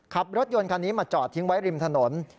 ขับรถยนต์คันนี้มาจอดทิ้งไว้ริมถนน